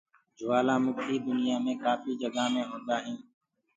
جوُلآ مُکيٚ دنيآ مي ڪآپهي جگآ مي هوندآ هينٚ۔